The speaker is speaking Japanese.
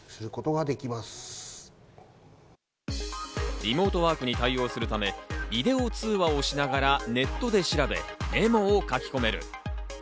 リモートワークに対応するため、ビデオ通話をしながらネットで調べ、メモを書き込める。